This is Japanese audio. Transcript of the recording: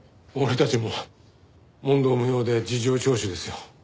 俺たちも問答無用で事情聴取ですよ。